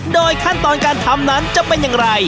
โดยขั้นตอนการทำนั้นจะเป็นอย่างไร